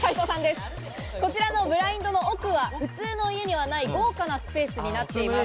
こちらのブラインドの奥は普通の家にはない豪華なスペースになっています。